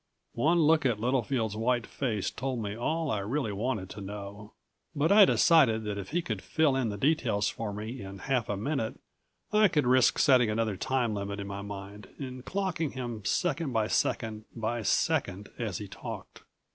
One look at Littlefield's white face told me all I really wanted to know. But I decided that if he could fill in the details for me in half a minute I could risk setting another time limit in my mind and clocking him second by second by second as he talked.